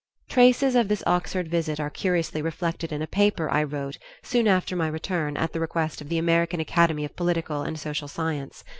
Traces of this Oxford visit are curiously reflected in a paper I wrote soon after my return at the request of the American Academy of Political and Social Science.